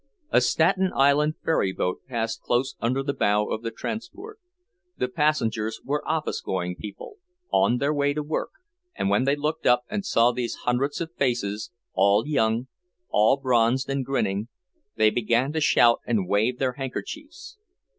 A Staten Island ferry boat passed close under the bow of the transport. The passengers were office going people, on their way to work, and when they looked up and saw these hundreds of faces, all young, all bronzed and grinning, they began to shout and wave their handkerchiefs.